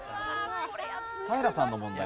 平さんの問題